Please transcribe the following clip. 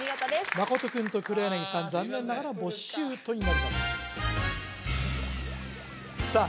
真君と黒柳さん残念ながらボッシュートになりますさあ